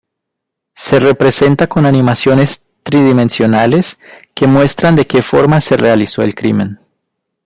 Se representa con animaciones tridimensionales que muestran de que forma se realizó el crimen.